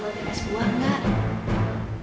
mau dibuatin es buah nggak